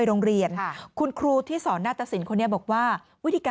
ฟังเสียงคุณแม่และก็น้องที่เสียชีวิตค่ะ